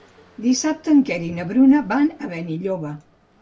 Dissabte en Quer i na Bruna van a Benilloba.